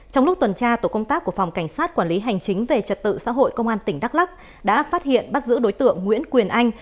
trong lúc tuần tra tổ công tác của phòng cảnh sát quản lý hành chính về trật tự xã hội công an tỉnh đắk lắc đã phát hiện bắt giữ đối tượng nguyễn quyền anh